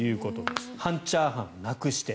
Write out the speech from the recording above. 半チャーハンをなくして。